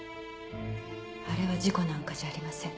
あれは事故なんかじゃありません。